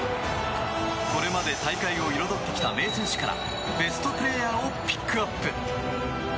これまで大会を彩ってきた名選手からベストプレーヤーをピックアップ！